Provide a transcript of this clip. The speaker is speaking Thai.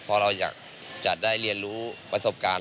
พอเราอยากจะได้เรียนรู้ประสบการณ์